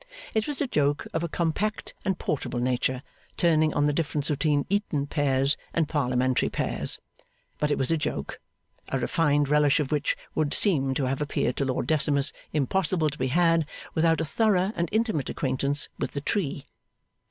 It was a joke of a compact and portable nature, turning on the difference between Eton pears and Parliamentary pairs; but it was a joke, a refined relish of which would seem to have appeared to Lord Decimus impossible to be had without a thorough and intimate acquaintance with the tree.